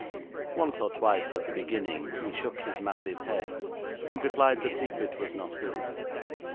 Once or twice at the beginning he shook his massive head, and replied the secret was not his.